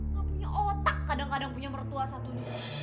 nggak punya otak kadang kadang punya mertua satu dia